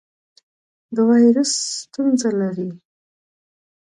د وایرس ستونزه لرئ؟